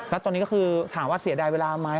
แล้วตอนนี้ก็คือถามว่าเสียดายเวลาไหม